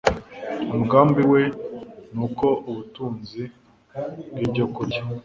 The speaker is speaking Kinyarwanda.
Umugambi we ni uko ubutunzi bwibyokurya